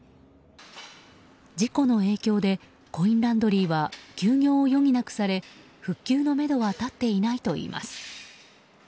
事故の影響でコインランドリーは休業を余儀なくされ復旧のめどは立っていないといいます。